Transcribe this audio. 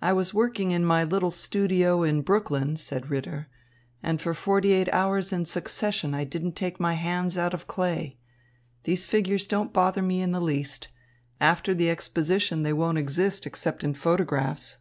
"I was working in my little studio in Brooklyn," said Ritter, "and for forty eight hours in succession I didn't take my hands out of clay. These figures don't bother me in the least. After the Exposition they won't exist except in photographs."